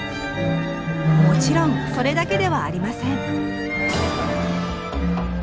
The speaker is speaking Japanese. もちろんそれだけではありません。